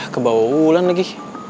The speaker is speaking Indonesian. ke bawah ulan lagi